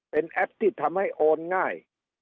เป็นแอปที่ทำให้โอนง่าย